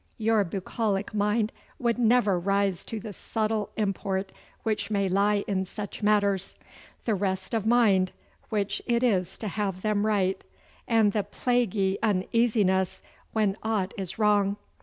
Your bucolic mind would never rise to the subtle import which may lie in such matters the rest of mind which it is to have them right, and the plaguey uneasiness when aught is wrong.